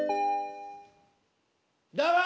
どうも！